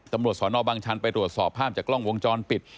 ตำรวจสนบังชันไปตรวจสอบภาพจากกล้องวงจรปิด